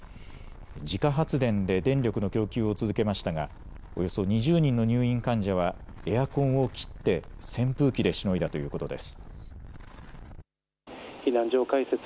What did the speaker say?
自家発電で電力の供給を続けましたがおよそ２０人の入院患者はエアコンを切って扇風機でしのいだということです。